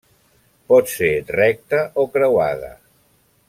Pot ser recta o creuada.